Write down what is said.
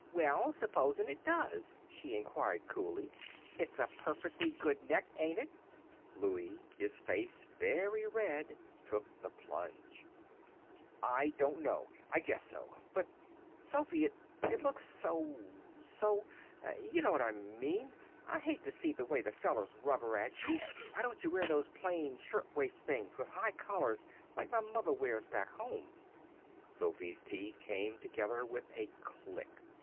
"Well, supposin' it does?" she inquired, coolly. "It's a perfectly good neck, ain't it?" Louie, his face very red, took the plunge. "I don't know. I guess so. But, Sophy, it looks so so you know what I mean. I hate to see the way the fellows rubber at you. Why don't you wear those plain shirtwaist things, with high collars, like my mother wears back home?" Sophy's teeth came together with a click.